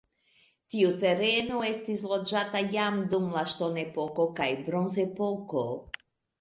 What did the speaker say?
Tiu tereno estis loĝata jam dum la ŝtonepoko kaj bronzepoko.